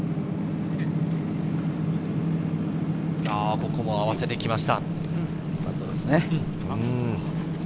ここも合わせてきました。